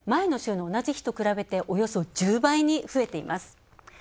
東京都では６４１人と前の週の同じ日と比べておよそ１０倍に増えています。